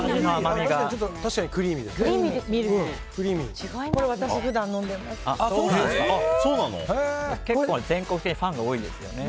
確かにクリーミーですね。